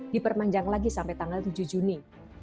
diperpanjang lagi sampai tanggal tujuh juni